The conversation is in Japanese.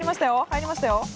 入りましたよ。